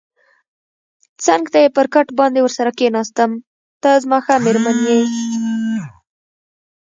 څنګ ته یې پر کټ باندې ورسره کېناستم، ته زما ښه مېرمن یې.